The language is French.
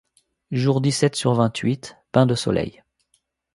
Jour dix-sept sur vingt-huit : Bain de soleil.